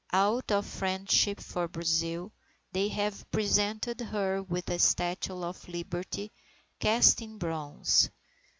Out of friendship for Brazil, they have presented her with a statue of Liberty cast in bronze.